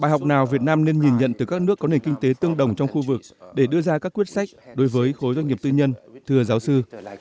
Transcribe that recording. bài học nào việt nam nên nhìn nhận từ các nước có nền kinh tế tương đồng trong khu vực để đưa ra các quyết sách đối với khối doanh nghiệp tư nhân thưa giáo sư